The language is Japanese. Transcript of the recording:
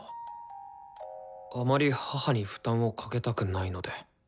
あまり母に負担をかけたくないので。